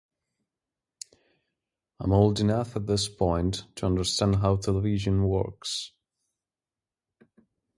I'm old enough at this point to understand how television works.